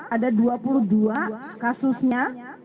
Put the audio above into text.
ada dua puluh dua kasusnya